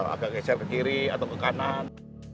agak geser ke kiri atau ke kanan